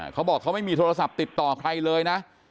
เขาบอกเขาไม่มีโทรศัพท์ติดต่อใครเลยนะ